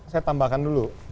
saya tambahkan dulu